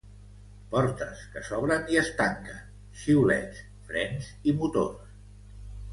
Portes que s'obren i es tanquen, xiulets, frens i motors.